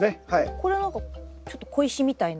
これ何かちょっと小石みたいな。